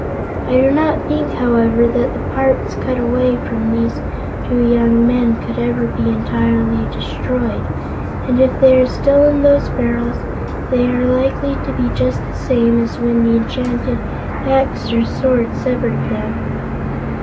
I do not think, however, that the parts cut away from these two young men could ever be entirely destroyed and, if they are still in those barrels, they are likely to be just the same as when the enchanted axe or sword severed them."